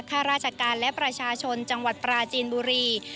ข้าราชการและประชาชนจังหวัดปราจีนบุรี